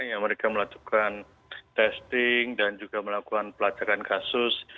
yang mereka melakukan testing dan juga melakukan pelacakan kasus